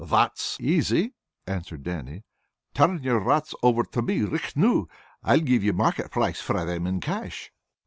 "That's easy," answered Dannie. "Turn your rats over to me richt noo. I'll give ye market price fra them in cash."